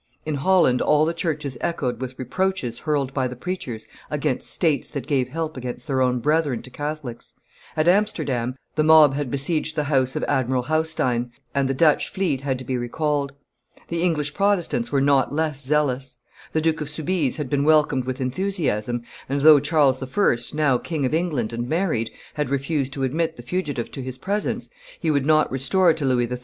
In Holland all the churches echoed with reproaches hurled by the preachers against states that gave help against their own brethren to Catholics; at Amsterdam the mob had besieged the house of Admiral Haustein; and the Dutch fleet had to be recalled. The English Protestants were not less zealous; the Duke of Soubise had been welcomed with enthusiasm, and, though Charles I., now King of England and married, had refused to admit the fugitive to his presence, he would not restore to Louis XIII.